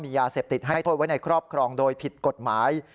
ยาเสพติดให้โทษไว้ในครอบครองโดยผิดกฎหมาย